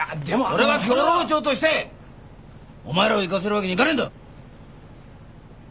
俺は漁労長としてお前らを行かせるわけにいかねえんだ。